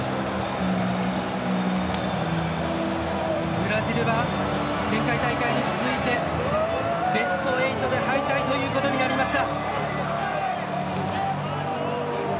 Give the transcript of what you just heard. ブラジルは前回大会に続いてベスト８で敗退ということになりました。